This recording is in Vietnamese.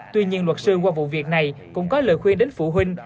tuy nhiên luật sư qua vụ việc này cũng có lời khuyên đến phụ huynh